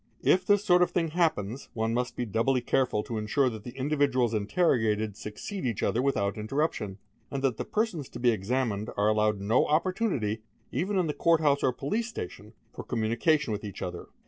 "it this sort of thing happens, one must be doubly careful to ensure t the individuals interrogated succeed each other without interrup o, and that the persons to be examined are allowed no opportunity, m in the Court house or police station, for communication with each he .